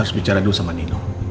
harus bicara dulu sama nino